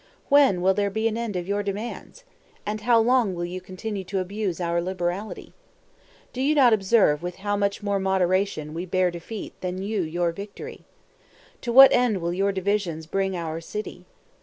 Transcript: When will there be an end of your demands? and how long will you continue to abuse our liberality? Do you not observe with how much more moderation we bear defeat than you your victory? To what end will your divisions bring our city?